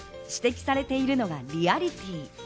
指摘されているのがリアリティー。